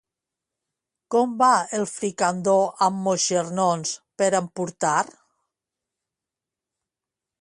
Com va el fricandó amb moixernons per emportar?